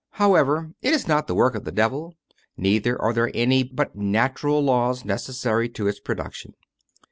However, it is not the work of the devil, neither are there any but natural laws necessary to its production.